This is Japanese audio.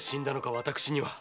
私には。